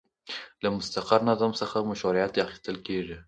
له مستقر نظم څخه مشروعیت اخیستل کیږي.